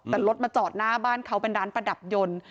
แต่รถมาจอดหน้าบ้านเขาเป็นร้านประดับยนต์